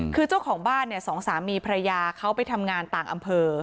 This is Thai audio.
คือเจ้าของบ้านเนี่ยสองสามีภรรยาเขาไปทำงานต่างอำเภอ